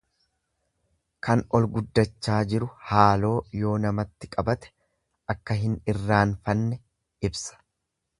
Kan ol guddachaa jiru haaloo yoo namatti qabate akka hin irraanfanne ibsa.